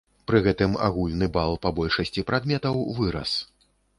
Пры гэтым агульны бал па большасці прадметаў вырас.